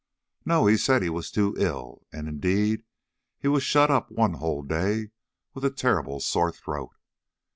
"No; he said he was too ill; and indeed he was shut up one whole day with a terrible sore throat.